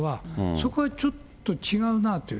そこはちょっと違うなっていう。